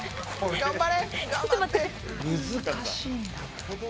頑張れ！